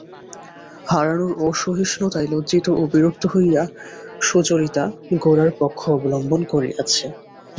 হারানের অসহিষ্ণুতায় লজ্জিত ও বিরক্ত হইয়া সুচরিতা গোরার পক্ষ অবলম্বন করিয়াছে।